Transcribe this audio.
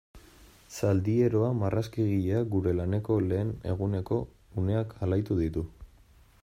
Zaldieroa marrazkigileak gure laneko lehen eguneko uneak alaitu ditu.